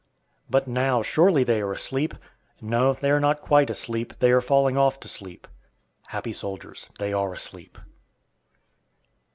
But now, surely they are asleep! No, they are not quite asleep, they are falling off to sleep. Happy soldiers, they are asleep.